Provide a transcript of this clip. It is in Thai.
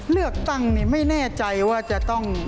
เลือกตั้งนี่ไม่แน่ใจว่าจะต้อง